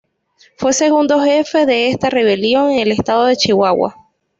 Fue segundo jefe de esta rebelión en el estado de Chihuahua.